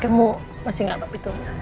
kamu masih gak apa apa itu